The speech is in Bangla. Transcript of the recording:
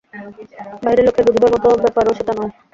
বাহিরের লোকের বুঝিবার মতো ব্যাপারও সেটা নয়।